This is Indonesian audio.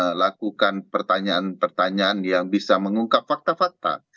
karena makamah melakukan pertanyaan pertanyaan yang bisa mengungkap fakta fakta